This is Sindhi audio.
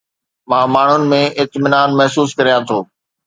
مان ماڻهن ۾ اطمينان محسوس ڪريان ٿو